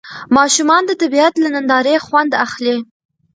ماشومان د طبیعت له نندارې خوند اخلي